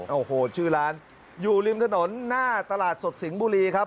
โอ้โหชื่อร้านอยู่ริมถนนหน้าตลาดสดสิงห์บุรีครับ